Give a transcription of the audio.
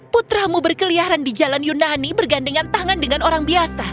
putramu berkeliaran di jalan yunani bergandengan tangan dengan orang biasa